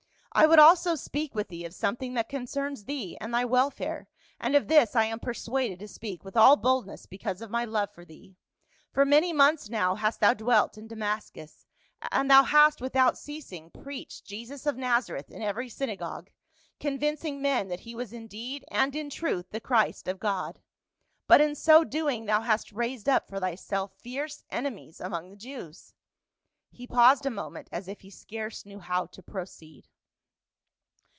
" I would also speak with thee of something that concerns thee and thy welfare ; and of this I am persuaded to speak with all boldness because of my love for thee. For many months now, hast thou dwelt in Damascus, and thou hast without ceasing preached 124 PA UL. Jesus of Nazareth in every synagogue, convincing men that he was in deed and in truth the Christ of God. But in so doing thou hast raised up for thyself fierce enemies among the Jews." He paused a moment as if he scarce knew how to proceed.